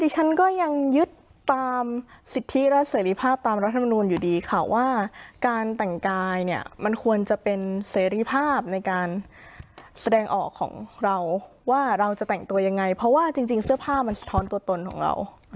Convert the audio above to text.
ฉันก็ยังยึดตามสิทธิและเสรีภาพตามรัฐมนูลอยู่ดีค่ะว่าการแต่งกายเนี่ยมันควรจะเป็นเสรีภาพในการแสดงออกของเราว่าเราจะแต่งตัวยังไงเพราะว่าจริงเสื้อผ้ามันสะท้อนตัวตนของเรา